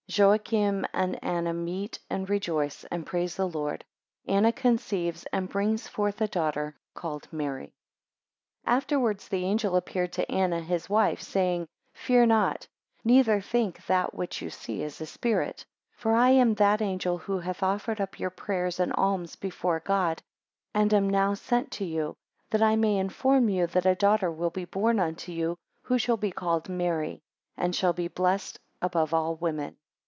8 Joachim and Anna meet, and rejoice, 10 and praise the Lord. 11 Anna conceives, and brings forth a daughter called Mary. AFTERWARDS the angel appeared to Anna his wife, saying; Fear not, neither think that which you see is a spirit; 2 For I am that angel who hath offered up your prayers and alms before God, and am now sent to you, that I may inform you, that a daughter will be born unto you, who shall be called Mary, and shall be blessed above all women.